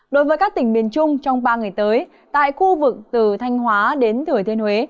đối với các tỉnh miền trung trong ba ngày tới tại khu vực từ thanh hóa đến thừa thiên huế